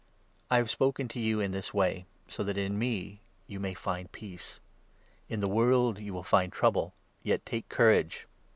I have spoken to you in this way, so that in me you may 33 find peace. In the world you will find trouble ; yet, take courage